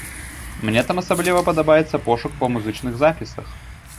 Мне там асабліва падабаецца пошук па музычных запісах.